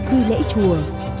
đi lễ chùa